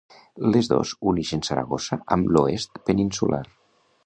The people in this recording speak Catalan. Les dos unixen Saragossa amb l'oest peninsular.